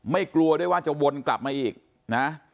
กลัวด้วยว่าจะวนกลับมาอีกนะ